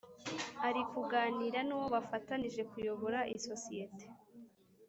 Ari kuganira nuwo bafatanyije kuyobora isosiyete